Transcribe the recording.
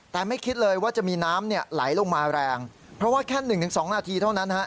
แต่ไม่คิดเลยว่าจะมีน้ำเนี่ยไหลลงมาแรงเพราะว่าแค่๑๒นาทีเท่านั้นฮะ